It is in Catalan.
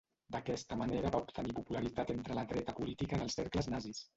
D'aquesta manera va obtenir popularitat entre la dreta política en els cercles nazis.